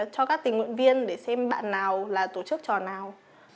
cho các tình nguyện viên để xem bạn nào là tổ chức trò nào